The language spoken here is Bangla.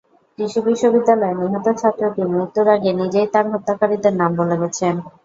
কৃষি বিশ্ববিদ্যালয়ে নিহত ছাত্রটি মৃত্যুর আগে নিজেই তাঁর হত্যাকারীদের নাম বলে গেছেন।